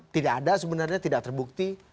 tidak ada sebenarnya tidak terbukti